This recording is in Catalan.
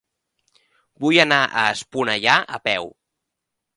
Vull anar a Esponellà a peu.